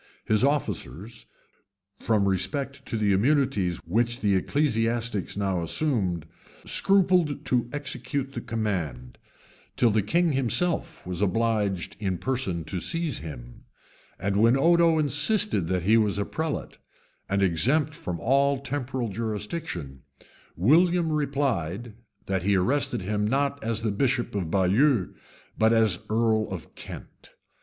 His officers, from respect to the immunities which the ecclesiastics now assumed, scrupled to execute the command, till the king himself was obliged in person to seize him; and when Odo insisted that he was a prelate, and exempt from all temporal jurisdiction, William replied, that he arrested him, not as bishop of Baieux, but as earl of Kent.